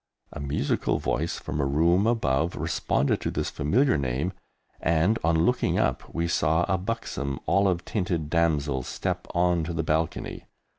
A musical voice from a room above responded to this familiar name, and, on looking up, we saw a buxom, olive tinted damsel step on to the balcony.